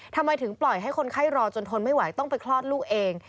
ทำไมถึงปล่อยให้คนไข้รอจนทนไม่ไหวต้องไปคลอดลูกเอง